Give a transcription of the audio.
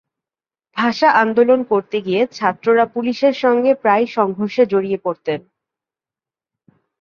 ভাষা আন্দোলন করতে গিয়ে ছাত্ররা পুলিশের সঙ্গে প্রায়ই সংঘর্ষে জড়িয়ে পড়তেন।